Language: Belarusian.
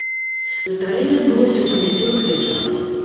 Здарэнне адбылося ў панядзелак вечарам.